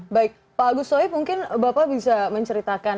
baik pak agus soip mungkin bapak bisa menceritakan